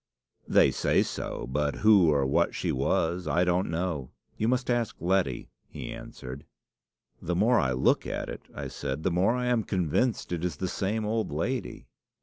"'They say so; but who or what she was, I don't know. You must ask Letty," he answered. "'The more I look at it,' I said, 'the more I am convinced it is the same old lady.